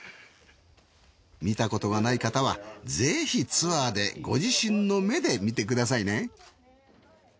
見たことがない方はぜひツアーでご自身の目で見てくださいね。